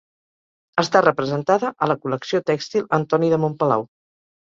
Està representada a la Col·lecció tèxtil Antoni de Montpalau.